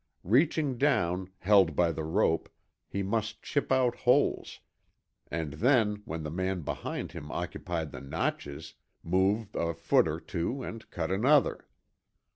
Reaching down, held by the rope, he must chip out holes; and then, when the man behind him occupied the notches, move a foot or two and cut another.